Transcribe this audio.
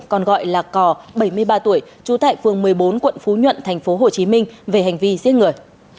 còn gọi là cò bảy mươi ba tuổi trú tại phường một mươi bốn quận phú nhuận tp hcm về hành vi giết người